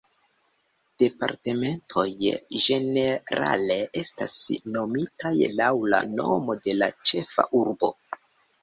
Departementoj, ĝenerale, estas nomitaj laŭ la nomo de la ĉefa urbo.